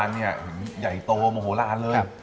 ทางร้านอยู่ในกว่านี้ใหญ่โตโมโหลาเลยครับ